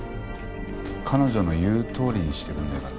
彼女の言うとおりにしてくんねえかな。